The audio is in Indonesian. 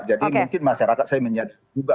jadi mungkin masyarakat saya menyadari juga